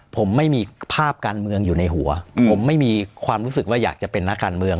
ผมไม่มีภาพการเมืองอยู่ในหัวผมไม่มีความรู้สึกว่าอยากจะเป็นนักการเมือง